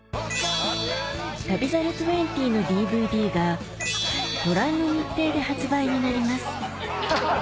『旅猿２０』のＤＶＤがご覧の日程で発売になります